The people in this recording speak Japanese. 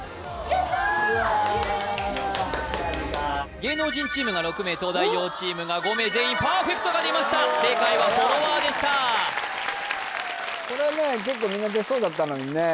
芸能人チームが６名東大王チームが５名全員パーフェクトが出ました正解はフォロワーでしたこれね結構みんな出そうだったのにね